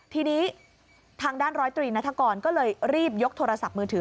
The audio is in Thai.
ทีนี้ทางด้านร้อยตรีนัฐกรก็เลยรีบยกโทรศัพท์มือถือ